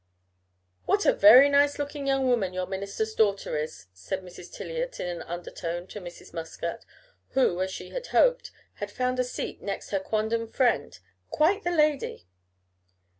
"What a very nice looking young woman your minister's daughter is?" said Mrs. Tiliot in an undertone to Mrs. Muscat, who, as she had hoped, had found a seat next her quondam friend "quite the lady."